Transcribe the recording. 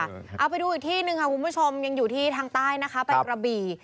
เอาไปดูอีกที่หนึ่งค่ะคุณผู้ชมยังอยู่ที่ทางใต้นะคะไปกระบี่